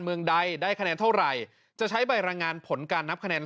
เมืองใดได้คะแนนเท่าไหร่จะใช้ใบรายงานผลการนับคะแนน